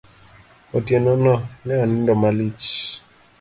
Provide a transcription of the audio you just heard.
Otieno no, ne wanindo malich.